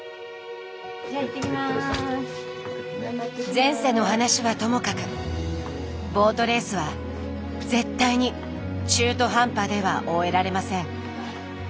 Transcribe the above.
前世の話はともかくボートレースは絶対に中途半端では終えられません。